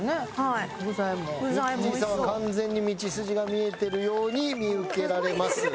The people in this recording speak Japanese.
ミキティさんは完全に道筋が見えてるように見受けられます。